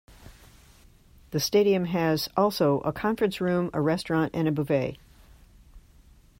The stadium has also a conference room, a restaurant and a buvette.